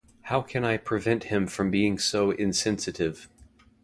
How can I prevent him from being so insensitive?